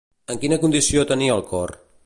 En quina condició tenia el cor?